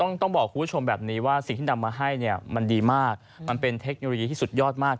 และต้องบอกคุณผู้ชมแบบนี้ว่าสิ่งที่ดำมาให้ดีมากมันเป็นเทคนียลที่สุดยอดมาก